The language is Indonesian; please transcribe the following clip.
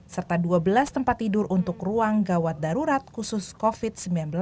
serta dua belas tempat tidur untuk ruang gawat darurat khusus covid sembilan belas